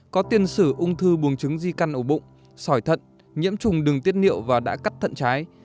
có tiên sử ung thư buồng trứng di căn ổ bụng sỏi thận nhiễm trùng đường tiết niệu và đã cắt thận trái